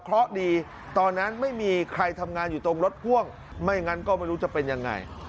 เพราะดีตอนนั้นไม่มีใครทำงานอยู่ตรงรถพ่วงไม่งั้นก็ไม่รู้จะเป็นยังไง